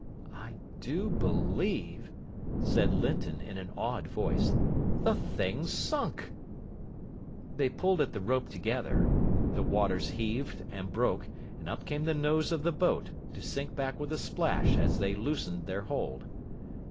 "I do believe," said Linton in an awed voice, "the thing's sunk." They pulled at the rope together. The waters heaved and broke, and up came the nose of the boat, to sink back with a splash as they loosened their hold.